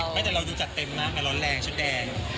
ไม่แต่เราดูจัดเต็มมากนะร้อนแรงชุดแดง